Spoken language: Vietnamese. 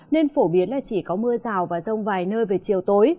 nên phổ biến là chỉ có mưa rào và rông vài nơi về chiều tối